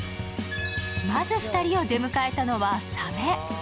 まず２人を出迎えたのはサメ。